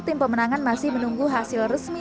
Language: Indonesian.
tim pemenangan masih menunggu hasil resmi